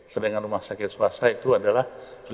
sedangkan rumah sakit swasta itu adalah